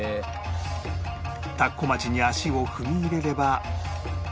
田子町に足を踏み入れれば